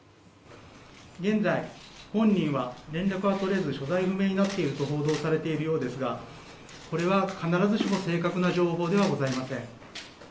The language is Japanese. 現在、本人は連絡は取れず所在不明になっていると報道されているようですがそれは必ずしも正確な情報ではございません。